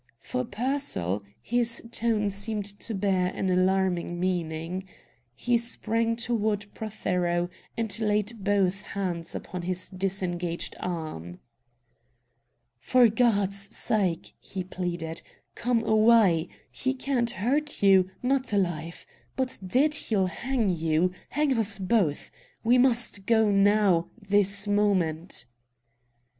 For Pearsall, his tone seemed to bear an alarming meaning. He sprang toward Prothero, and laid both hands upon his disengaged arm. "For God's sake," he pleaded, "come away! He can't hurt you not alive; but dead, he'll hang you hang us both. We must go, now, this moment."